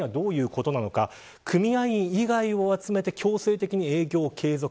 組合員以外を集めて強制的に営業を継続。